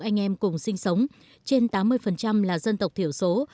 anh em cùng sinh sống trên tám mươi là dân tộc thiểu số